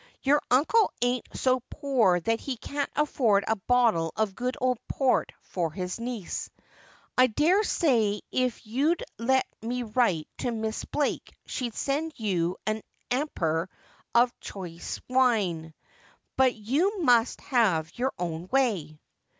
Your uncle ain"t so poor that he can't afford a bottle of good old port for his niece. I dare say if you'd let me write to Miss Blake she'd send you an 'aniper of chice wine. But you must have your own way.'